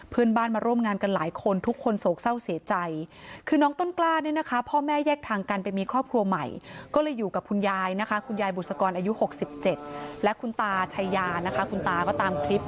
เพื่อนบ้านมาร่วมงานกันหลายคนทุกคนโศกเศร้าเสียใจ